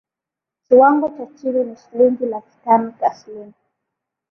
kiwango cha chini ni shilingi laki tano taslim